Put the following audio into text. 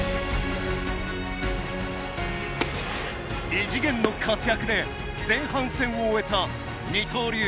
異次元の活躍で前半戦を終えた二刀流